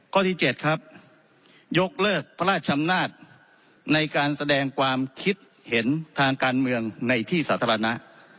ที่๗ครับยกเลิกพระราชอำนาจในการแสดงความคิดเห็นทางการเมืองในที่สาธารณะ